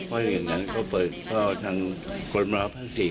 เพราะอย่างนั้นเขาเปิดข้อทางกฎหมายภาพศรี